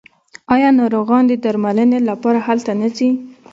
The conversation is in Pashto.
آیا ناروغان د درملنې لپاره هلته نه ځي؟